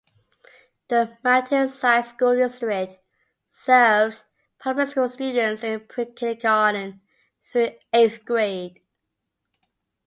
The Mountainside School District serves public school students in pre-kindergarten through eighth grade.